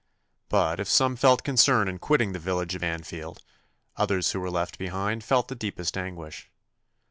But if some felt concern in quitting the village of Anfield, others who were left behind felt the deepest anguish.